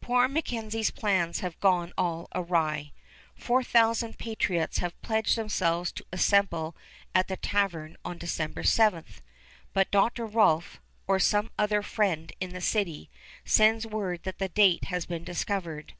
Poor MacKenzie's plans have gone all awry. Four thousand patriots had pledged themselves to assemble at the tavern on December 7, but Dr. Rolph, or some other friend in the city, sends word that the date has been discovered.